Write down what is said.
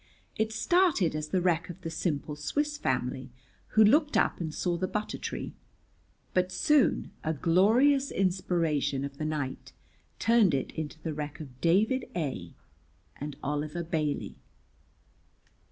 It started as the wreck of the simple Swiss family who looked up and saw the butter tree, but soon a glorious inspiration of the night turned it into the wreck of David A and Oliver Bailey.